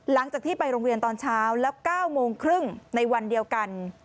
หลังจากที่ไปโรงเรียนตอนเช้าแล้ว๙โมงครึ่งในวันเดียวกัน